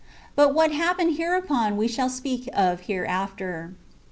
But what happened hereupon we shall speak of hereafter.